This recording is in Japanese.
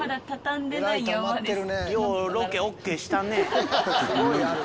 ようロケＯＫしたね。